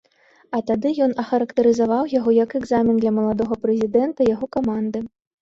А тады ён ахарактарызаваў яго як экзамен для маладога прэзідэнта і яго каманды.